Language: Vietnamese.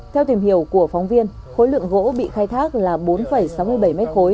theo tìm hiểu của phóng viên khối lượng gỗ bị khai thác là bốn sáu mươi bảy m ba